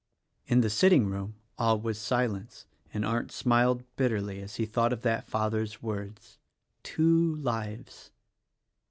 In the sitting room all was silence, and Arndt smiled bitterly as he thought of that father's words "Tivo Ikes."